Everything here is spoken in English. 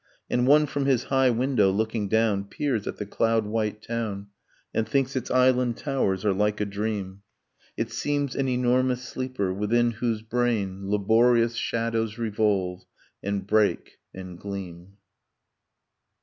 . And one from his high window, looking down, Peers at the cloud white town, And thinks its island towers are like a dream ... It seems an enormous sleeper, within whose brain Laborious shadows revolve and break and gleam.